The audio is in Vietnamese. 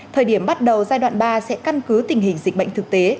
thời điểm bắt đầu giai đoạn ba sẽ căn cứ tình hình dịch bệnh thực tế